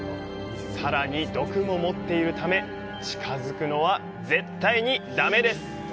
さらに毒も持っているため、近づくのは絶対にダメです！